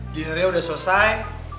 dinnernya sudah selesai